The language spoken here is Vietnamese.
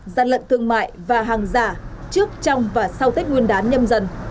gian lận thương mại và hàng giả trước trong và sau tết nguyên đán nhâm dần